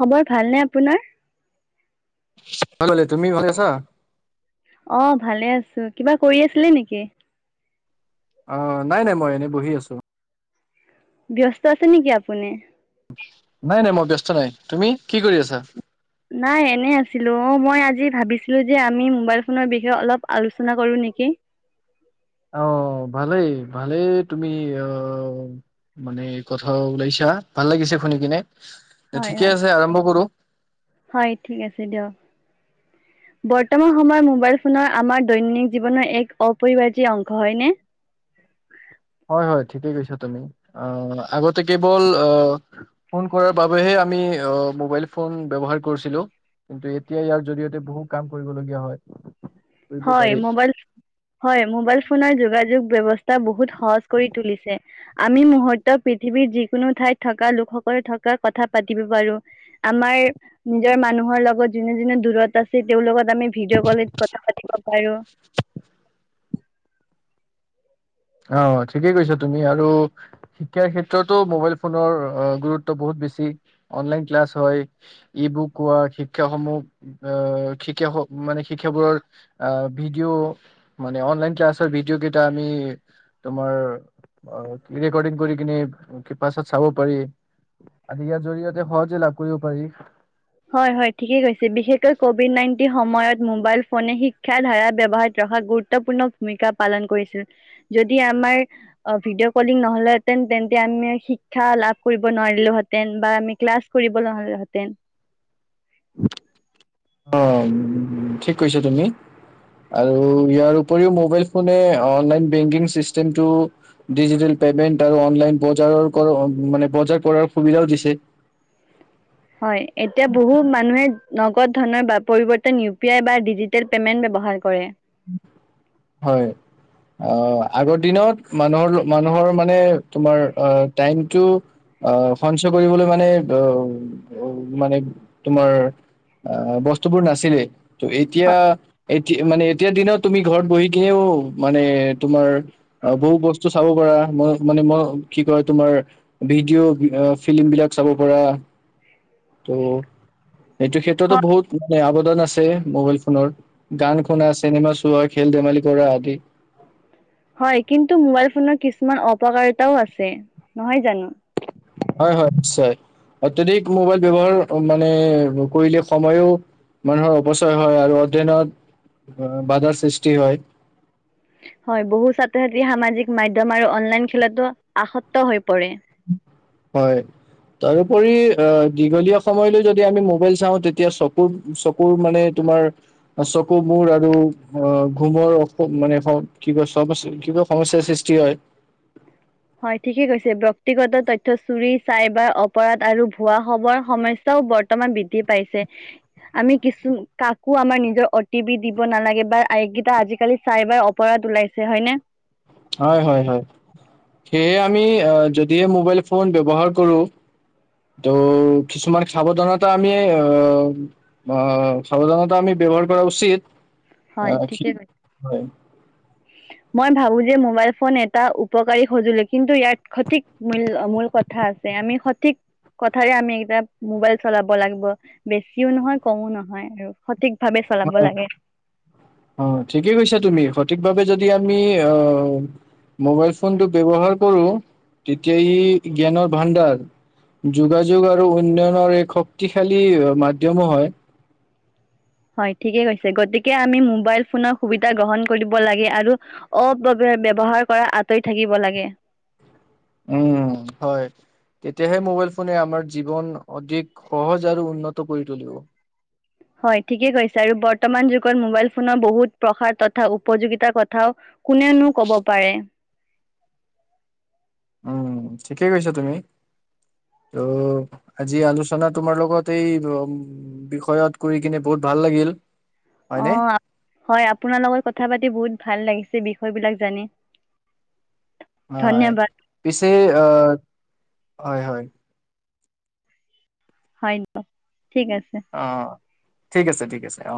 খবৰ ভালনে আপোনাৰ? ভাল তুমি ভাল আছা? অ ভালে আছো কিবা কৰি আছিলে নেকি অ নাই নাই মই এনেই বহি আছো। ব্যস্ত আছে নেকি আপুনি। নাই নাই মই ব্যস্ত নাই তুমি কি কৰি আছা নাই এনে অ মই আজি ভাবিছিলো যে আমি মোবাইল ফোনৰ বিষয়ে অলপ আলোচনা কৰো নেকি অ ভালেই ভালেই তুমি আহ মানে কথা ওলাইছা ভাল লাগিছে শুনি কিনে। হয় ঠিকে হয় আছে আৰম্ভ কৰো। হয় ঠিক আছে দিয়ক বৰ্তমান সময়ত মোবাইল ফোনৰ আমাৰ দৈনন্দিন জীৱনৰ এক অপৰিবাৰ্য অংশ হয়নে হয় হয় ঠিকেই কৈছা তুমি আগতে কেৱল ফোন কৰাৰ বাবেহে আমি ম'বাইল ফোন ব্যৱহাৰ কৰিছিলো কিন্তু এতিয়া ইয়াৰ জৰিয়তে বহু কাম কৰিবলীয়া হয় কৰিব হয় পাৰি। ম'বাইল হয় ম'বাইল ল ফোন যোগাযোগ ব্যৱস্থা বহুত সহজ কৰি তুলিছে আমি মুহৰ্ত পৃথিৱীৰ যিকোনো ঠাইত থকা লোকসকল থকা কথা পাতিব পাৰো আমাৰ নিজৰ মানুহৰ লগত যোনে যোনে দূৰত আছে তেওঁৰ লগত মানে ভিডিঅ কলত কথ কথা পাতিব পাৰো অ ঠিকেই কৈছা তুমি আৰু শিক্ষাৰ ক্ষেত্ৰতো মোবাইল ফোনৰ গুৰুত্ব বহুত বেছি অনলাইন ক্লাছ হয় ই বুক কোৱা শিক্ষাসমূহ শিকা মানে শিক্ষাবোৰৰ ভিডিঅ' মানে অনলাইন ক্লাছৰ ভিডিঅ' কেইটা আমি। তোমাৰ ৰেকৰ্ডিং কৰি কিনে পাছত চাব পাৰি আদি ইয়াৰ জৰিয়তে সহজে লাভ কৰিব পাৰি হয় হয় ঠিকে কৈছে বিশেষকৈ কভিদ নাইনটি সময়ত ম'বাইল ফোনে শিক্ষাৰ ধাৰা ব্যৱহত যথা গুৰুত্বপূৰ্ণ ভূমিকা পালন কৰিছিল যদি আমাৰ ভিডিঅ কলি নহহেতেন তেন্ত আমি শিক্ষা লাভ কৰিবলে নোৱাৰিলো হেতেন বা আমি ক্লাছ কৰিব নহ'লে হেতেন। [inaudible] অ ঠিক কৈছা তুমি আৰু ইয়াৰ উপৰিও মোবাইল ফোনে অনলাইন বেংকিং চিষ্টেমটো ডিজিটেল পেমেণ্ট আৰু অনলাইন বজাৰৰ মানে বজাৰ কৰাৰ সুবিধাও দিছে। হয় এতিয়া বহু মানুহে নগদ ধনৰ বা পৰিৱৰ্তন ইউ পি আই বা ডিজিটেল পে'মেণ্ট ব্যৱহাৰ কৰে। হয় আহ আগৰ দিনত মানুহৰ মানুহৰ মানে তোমাৰ আহ টাইমটো আহ সঞ্চয় কৰিবলৈ মানে আহ মানে তোমাৰ অ বস্তুবোৰ নাছিলেই। ত এতিয়া হয় এতিয়া মানে। ন তুমি ঘৰত বহি কিনেও মানে তোমাৰ বহু বস্তু চাব পাৰা ম মানে ম কি কয় তোমাৰ ভিডিঅ' ফিল্ম বিলাক চাব পাৰা ত' এইটো ক্ষেত্ৰতো হয়, বহুত আবেদন আছে মোবাইল ফোনৰ গান শুনা আছে চিনেমা চোৱা খেল ধেমালি কৰা আদি হয় কিন্তু মোবাইল ফোনৰ কিছুমান অপকাৰিতাও আছে নহয় জানো হয় হয় নিশ্চয় অত্যাধিক মোবাইল ব্যৱহাৰ মানে কৰিলে সময়ো মানুহৰ অপচয় হয় আৰু অধ্যয়নত বাধাৰ সৃষ্টি হয়। হয় বহু ছাত্ৰ ছাত্ৰী সামাজিক মাধ্যয়ম আৰু অনলাইন খেলাতো আসক্ত হৈ পৰে হয় তাৰোপৰি দীঘলীয়া সময়লৈ যদি আমি মোবাইল চাওঁ তেতিয়া চকুৰ চকুৰ মানে তোমাৰ চকু মূৰ আৰু আহ ঘুমৰ মানে কি ক ক সমস্যয়াৰ সৃষ্টি হয় হয় ঠিকেই কৈছে ব ব্যক্তিগত তথ্য চুৰি চাইবাৰ অপৰাধ আৰু ভুৱা খৱৰ সমস্যাও বৰ্তমান বৃদ্ধি পাইছে আমি কিছু কাকো আমাৰ নিজৰ অ'টি পি দিব নালাগে বা এইকেইটা আজিকালি চাইবাৰ অপৰাধ ওলাইছে হয়নে। হয় হয় হয় সেয়ে আমি যদিহে মোবাইল ফোন ব্যৱহাৰ কৰো ত' কিছুমান সাৱধানতা আমি অঅ সাৱধানতা আমি ব্যৱহাৰ কৰা উচিত অ হয় ঠিকে থিক কৈছে। মই ভাবো যে মোবাইল ফোন এটা উপকাৰী সঁজুলি কিন্তু ইয়াত সঠিক মূল মূল কথা আছে আমি সঠিক কথাৰে আমি এটা মোবাইল চলাব লাগিব বেছিও নহয় কমো নহয় আৰু সঠিক ভাৱে চলাব হয় লাগে অ ঠিকেই কৈছা তুমি সঠিকভাৱে যদি যদি আমি আহ মোবাইল ফোনটো ব্যৱহাৰ কৰো তেতিয়া ই জ্ঞানৰ ভাণ্ডাৰ যোগাযোগ আৰু উন্নয়নৰ এক শক্তিশালী মাধ্যমো হয়। হয় ঠিকে কৈছে গতিকে আমি মোবাইল ফোনৰ সুবিধা গ্ৰহণ কৰিব লাগে আৰু অব ভাবে ব্যৱহাৰ কৰা আঁতৰি থাকিব লাগে হয় তেতিয়াহে মবাইল ফোনে আমাৰ জীৱন অধিক সহজ আৰু উন্নত কৰি তুলিব হয় ঠিকে কৈছে আৰু বৰ্তমান যোগত মোবাইল ফোনৰ বহুত প্ৰসাৰ তথা উপযোগিতা কথাও। কোনেনো কব পাৰে উম ঠিকেই কৈছা তুমি ত আজি আলোচনা তোমাৰ লগত এই উম বিষয়ত কৰি কিনে বহুত ভাল লাগিল অ হয়নে আপ হয় আপোনাৰ লগত কথা পাতি বহুত ভাল লাগিছে ছে বিষয় বিলাক জানে হয় পিছে অ হয় হয় হয় ঠিক আছে অ ঠিক আছে ঠিক আছে অ